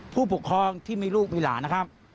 ผู้ปกครองที่มีลูกมีหลานนะครับ